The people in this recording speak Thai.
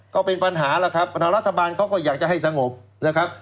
ก็เป็นปัญหาแล้วครับแล้วรัฐบาลเขาก็อยากจะให้สงบ